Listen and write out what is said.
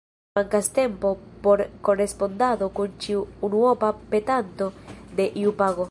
Mankas tempo por korespondado kun ĉiu unuopa petanto de iu pago.